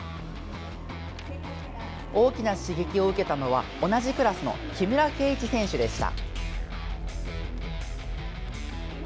大きな刺激を受けたのは同じクラスの木村敬一選手でした。